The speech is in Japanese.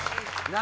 何？